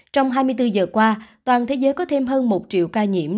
trong hai mươi bốn giờ qua toàn thế giới có thêm hơn một triệu ca nhiễm